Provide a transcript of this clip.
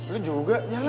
lu juga jalan lah